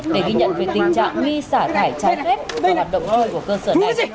để ghi nhận về tình trạng nghi xả thải trái phép và hoạt động trôi của cơ sở này